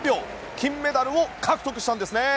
金メダル獲得したんですね。